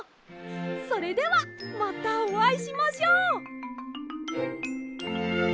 それではまたあおいしましょう。